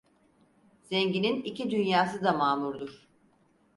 Zenginin iki dünyası da mamurdur.